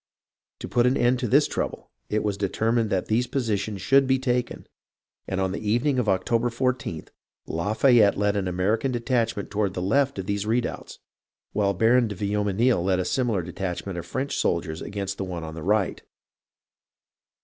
To put an end to this trouble it was determined that these positions should be taken, and on the evening of October 14th, Lafay ette led an American detachment toward the left of these redoubts, while Baron de Viomenil led a similar detach ment of French soldiers against the one on the right.